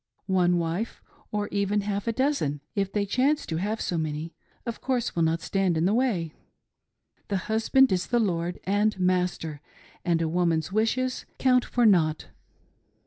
Olie wife, or even half a dozen, if they chance to have so many, of course will not stand in the way. The husband is the lord and master, and a woman's wishes count for nought.